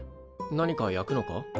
何か焼くのか？